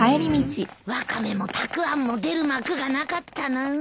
ワカメもたくあんも出る幕がなかったな。